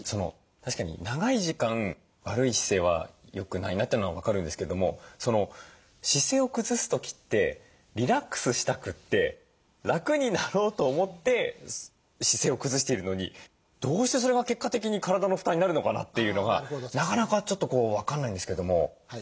確かに長い時間悪い姿勢は良くないなっていうのは分かるんですけども姿勢を崩す時ってリラックスしたくて楽になろうと思って姿勢を崩しているのにどうしてそれが結果的に体の負担になるのかなっていうのがなかなかちょっと分かんないんですけども。